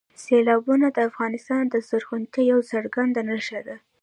سیلابونه د افغانستان د زرغونتیا یوه څرګنده نښه ده.